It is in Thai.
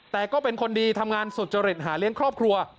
แต่ก็เป็นคนดีทำงานสุจริตหาเลี้ยงครอบครัว